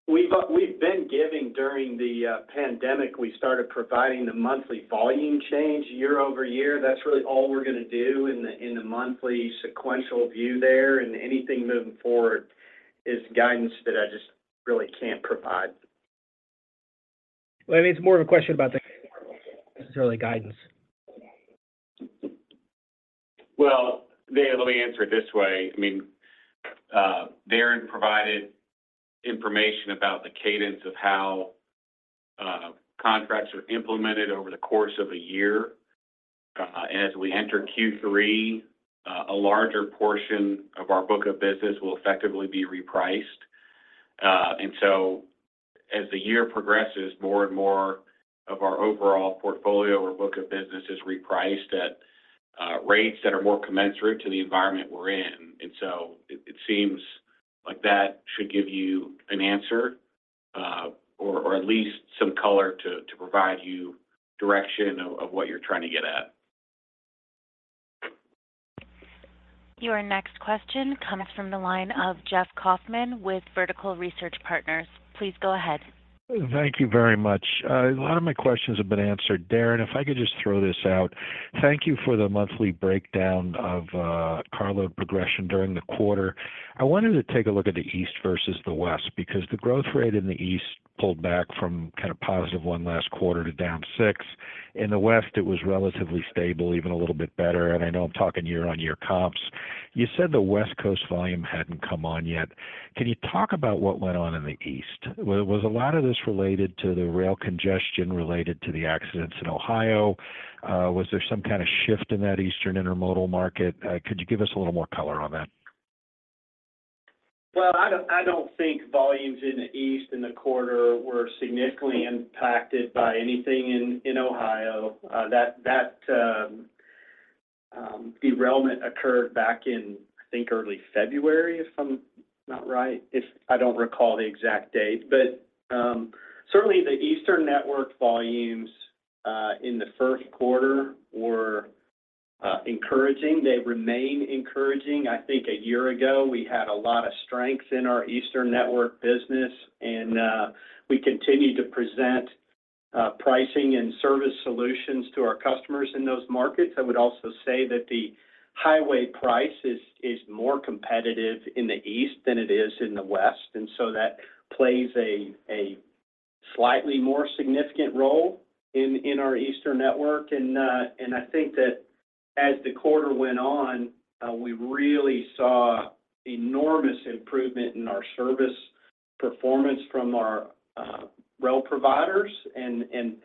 We've been giving during the pandemic. We started providing the monthly volume change year-over-year. That's really all we're going to do in the, in the monthly sequential view there, and anything moving forward is guidance that I just really can't provide. Well, I mean, it's more of a question about the necessarily guidance. Well, Dave, let me answer it this way. I mean, Darren provided information about the cadence of how contracts are implemented over the course of a year. As we enter Q3, a larger portion of our book of business will effectively be repriced. As the year progresses, more and more of our overall portfolio or book of business is repriced at rates that are more commensurate to the environment we're in. It, it seems like that should give you an answer, or at least some color to provide you direction of what you're trying to get at. Your next question comes from the line of Jeff Kauffman with Vertical Research Partners. Please go ahead. Thank you very much. A lot of my questions have been answered. Darren, if I could just throw this out. Thank you for the monthly breakdown of cargo progression during the quarter. I wanted to take a look at the East versus the West, because the growth rate in the East pulled back from positive one last quarter to down six. In the West, it was relatively stable, even a little bit better, and I know I'm talking year-on-year comps. You said the West Coast volume hadn't come on yet. Can you talk about what went on in the East? Was a lot of this related to the rail congestion related to the accidents in Ohio? Was there some kind of shift in that Eastern Intermodal market? Could you give us a little more color on that? Well, I don't think volumes in the East in the quarter were significantly impacted by anything in Ohio. That derailment occurred back in, I think, early February, if I'm not right. If I don't recall the exact date. Certainly the Eastern network volumes in the first quarter were encouraging. They remain encouraging. I think a year ago, we had a lot of strength in our Eastern network business, and we continued to present pricing and service solutions to our customers in those markets. I would also say that the highway price is more competitive in the East than it is in the West. That plays a slightly more significant role in our Eastern network. I think that as the quarter went on, we really saw enormous improvement in our service performance from our rail providers, and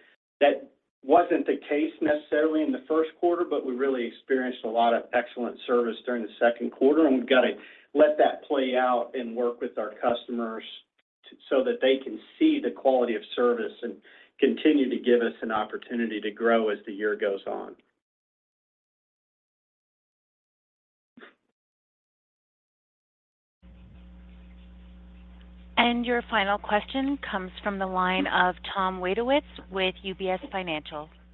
that wasn't the case necessarily in the first quarter, but we really experienced a lot of excellent service during the second quarter, and we've got to let that play out and work with our customers so that they can see the quality of service and continue to give us an opportunity to grow as the year goes on. Your final question comes from the line of Tom Wadewitz with UBS.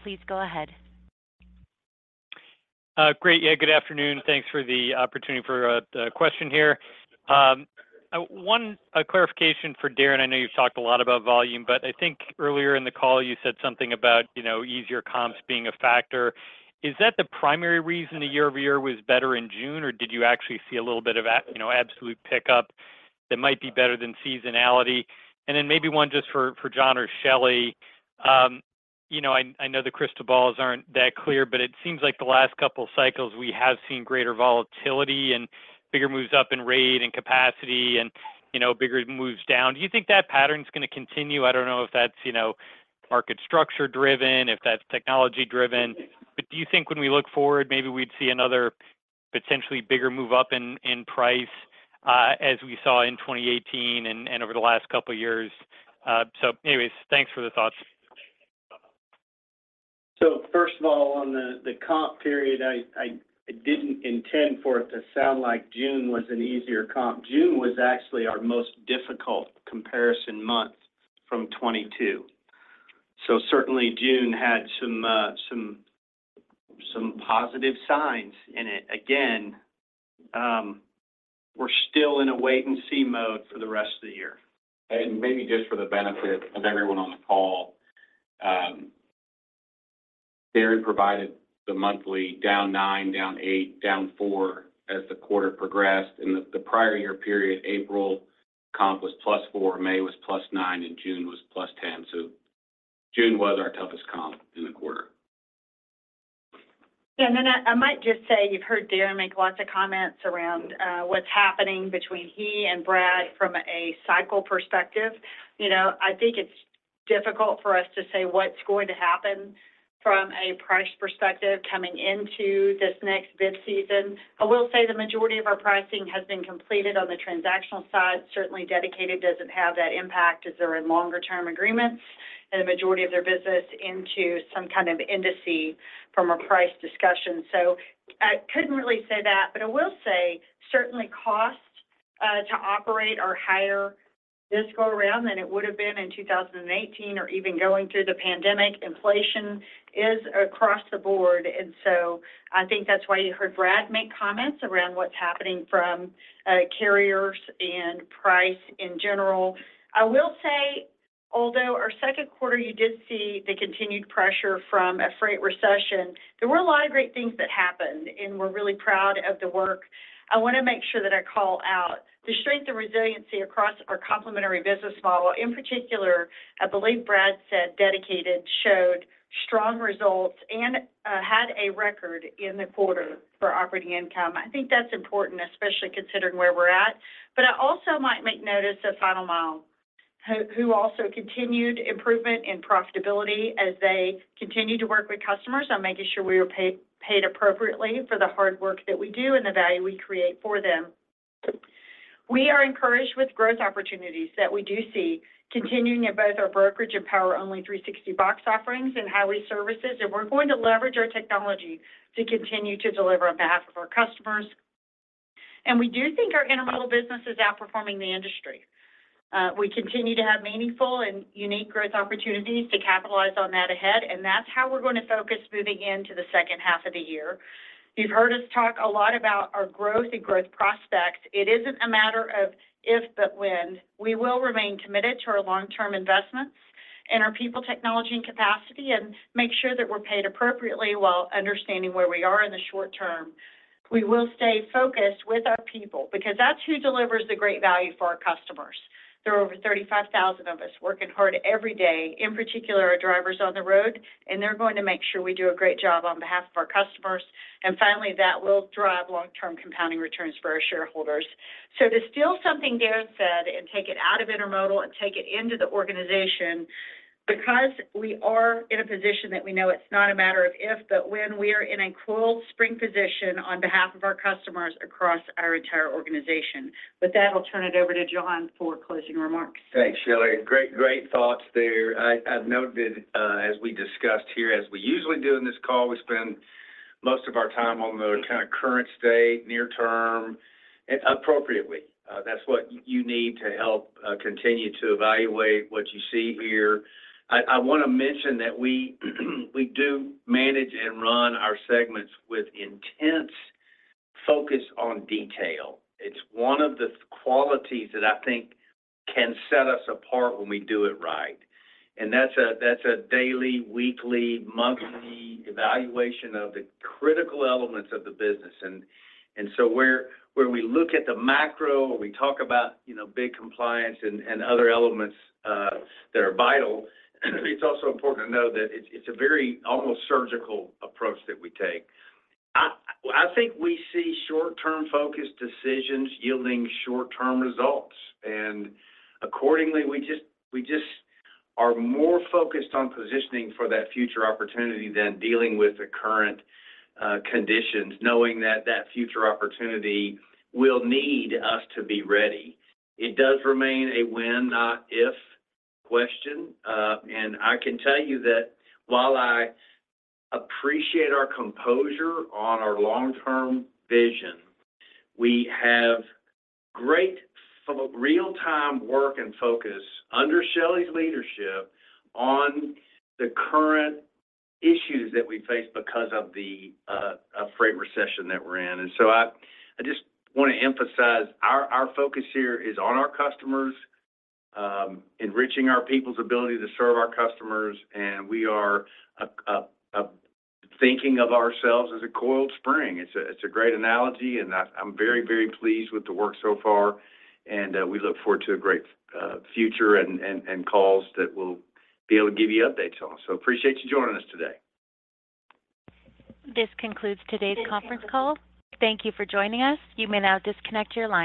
Please go ahead. Great. Yeah, good afternoon. Thanks for the opportunity for the question here. One clarification for Darren. I know you've talked a lot about volume, but I think earlier in the call you said something about, you know, easier comps being a factor. Is that the primary reason the year-over-year was better in June, or did you actually see a little bit of a, you know, absolute pickup that might be better than seasonality? Maybe one just for John or Shelly. You know, I know the crystal balls aren't that clear, but it seems like the last couple cycles, we have seen greater volatility and bigger moves up in rate and capacity and, you know, bigger moves down. Do you think that pattern is gonna continue? I don't know if that's, you know, market structure driven, if that's technology driven, but do you think when we look forward, maybe we'd see another potentially bigger move up in price, as we saw in 2018 and over the last couple of years? Anyways, thanks for the thoughts. First of all, on the comp period, I didn't intend for it to sound like June was an easier comp. June was actually our most difficult comparison month from 22. Certainly June had some positive signs in it. Again, we're still in a wait-and-see mode for the rest of the year. Maybe just for the benefit of everyone on the call, Darren provided the monthly -9%, -8%, -4% as the quarter progressed. In the prior year period, April comp was +4%, May was +9%, and June was +10%. June was our toughest comp in the quarter. I might just say, you've heard Darren make lots of comments around what's happening between he and Brad from a cycle perspective. You know, I think it's difficult for us to say what's going to happen from a price perspective coming into this next bid season. I will say the majority of our pricing has been completed on the transactional side. Certainly, Dedicated Contract Services doesn't have that impact as they're in longer term agreements, and the majority of their business into some kind of indices from a price discussion. I couldn't really say that, but I will say certainly costs to operate are higher this go around than it would have been in 2018 or even going through the pandemic. Inflation is across the board, and so I think that's why you heard Brad make comments around what's happening from carriers and price in general. I will say, although our second quarter, you did see the continued pressure from a freight recession, there were a lot of great things that happened, and we're really proud of the work. I want to make sure that I call out the strength and resiliency across our complementary business model. In particular, I believe Brad said Dedicated showed strong results and had a record in the quarter for operating income. I think that's important, especially considering where we're at. I also might make notice of Final Mile, who also continued improvement in profitability as they continue to work with customers on making sure we are paid appropriately for the hard work that we do and the value we create for them. We are encouraged with growth opportunities that we do see continuing in both our Brokerage and Power-only 360box offerings and Highway Services. We're going to leverage our technology to continue to deliver on behalf of our customers. We do think our intermodal business is outperforming the industry. We continue to have meaningful and unique growth opportunities to capitalize on that ahead. That's how we're going to focus moving into the second half of the year. You've heard us talk a lot about our growth and growth prospects. It isn't a matter of if, but when. We will remain committed to our long-term investments in our people, technology, and capacity, make sure that we're paid appropriately while understanding where we are in the short term. We will stay focused with our people because that's who delivers the great value for our customers. There are over 35,000 of us working hard every day, in particular, our drivers on the road, they're going to make sure we do a great job on behalf of our customers. Finally that will drive long-term compounding returns for our shareholders. To steal something Darren said and take it out of Intermodal and take it into the organization, because we are in a position that we know it's not a matter of if, but when. We are in a coiled spring position on behalf of our customers across our entire organization. With that, I'll turn it over to John for closing remarks. Thanks, Shelley. Great thoughts there. I've noted, as we discussed here, as we usually do in this call, we spend most of our time on the kind of current state, near term, and appropriately. That's what you need to help continue to evaluate what you see here. I want to mention that we do manage and run our segments with intense focus on detail. It's one of the qualities that I think can set us apart when we do it right, and that's a, that's a daily, weekly, monthly evaluation of the critical elements of the business. Where we look at the macro, we talk about, you know, big compliance and other elements that are vital, it's also important to know that it's a very almost surgical approach that we take. I think we see short-term focused decisions yielding short-term results, and accordingly, we just are more focused on positioning for that future opportunity than dealing with the current conditions, knowing that that future opportunity will need us to be ready. It does remain a when, not if, question. And I can tell you that while I appreciate our composure on our long-term vision, we have great real-time work and focus under Shelley's leadership on the current issues that we face because of the freight recession that we're in. So I just want to emphasize our focus here is on our customers, enriching our people's ability to serve our customers, and we are thinking of ourselves as a coiled spring. It's a great analogy, and I'm very, very pleased with the work so far, and we look forward to a great future and calls that we'll be able to give you updates on. Appreciate you joining us today. This concludes today's conference call. Thank you for joining us. You may now disconnect your line.